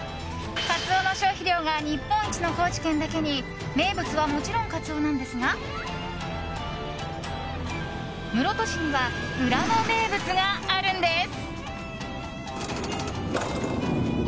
カツオの消費量が日本一の高知県だけに名物はもちろんカツオなんですが室戸市には裏の名物があるんです。